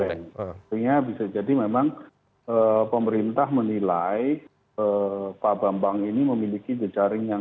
artinya bisa jadi memang pemerintah menilai pak bambang ini memiliki jejaring yang